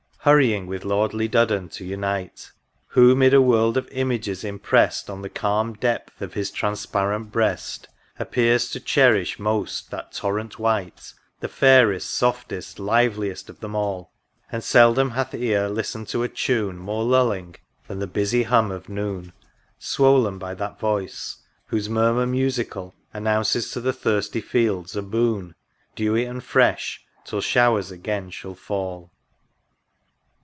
Hurrying with lordly Duddon to unite ; Who, mid a world of images imprest On the calm depth of his transparent breast, Appears to cherish most that Torrent white, The fairest, softest, liveliest of them all ! And seldom hath ear listened to a tune More lulling than the busy hum of Noon, Swoln by that voice — whose murmur musical Announces to the thirsty fields a boon Dewy and fresh, till showers again shall fall.